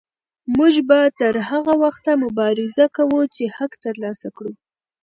موږ به تر هغه وخته مبارزه کوو چې حق ترلاسه کړو.